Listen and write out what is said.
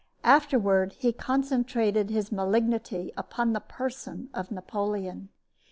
Afterward he concentrated his malignity upon the person of Napoleon.